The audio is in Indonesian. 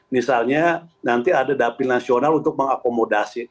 misalnya nanti ada dapil nasional untuk mengakomodasi